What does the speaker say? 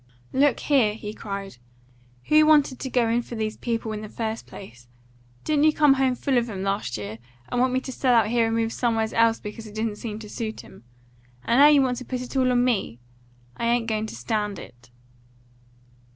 "Look here!" he cried. "Who wanted to go in for these people in the first place? Didn't you come home full of 'em last year, and want me to sell out here and move somewheres else because it didn't seem to suit 'em? And now you want to put it all on me! I ain't going to stand it."